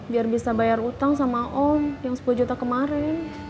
biar bisa bayar utang sama om yang sepuluh juta kemarin